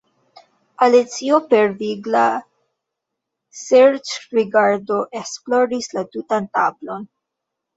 Alicio per vigla serĉrigardo esploris la tutan tablon.